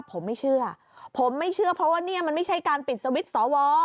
ผมไม่เชื่อผมไม่เชื่อเพราะว่าเนี่ยมันไม่ใช่การปิดสวิตช์สว